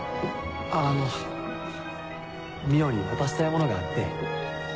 あの海音に渡したいものがあって。